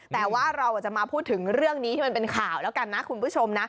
แต่ว่าเราจะมาพูดถึงเรื่องนี้ที่มันเป็นข่าวแล้วกันนะคุณผู้ชมนะ